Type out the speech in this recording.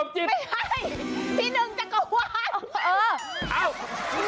ไม่ใช่พี่หนึ่งจักรวาล